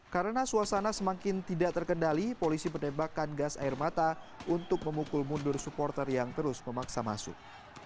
karena suasana semakin tidak terkendali polisi menembakkan gas air mata untuk memukul mundur supporter yang terus memaksa masuk